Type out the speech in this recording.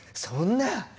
そんな！